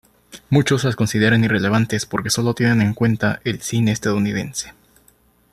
Muchos las consideran irrelevantes porque sólo tienen en cuenta el cine estadounidense.